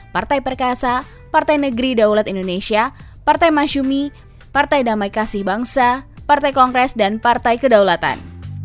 partai perkasa partai negeri daulat indonesia partai masyumi partai damai kasih bangsa partai kongres dan partai kedaulatan